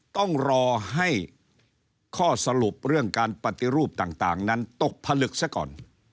ต้องรอให้ข้อสรุปเรื่องการปฏิรูปต่างนั้นตกผลึกซะก่อน